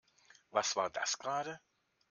Was war das gerade?